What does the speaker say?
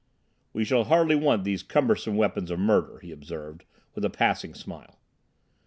"We shall hardly want these cumbersome weapons of murder," he observed, with a passing smile.